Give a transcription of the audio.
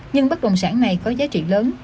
nhưng bất động sản này có giá trị lớn